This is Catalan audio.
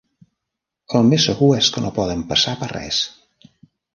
El més segur és que no poden passar per res.